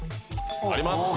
あります。